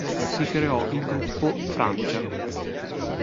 Si creò il gruppo "Francia".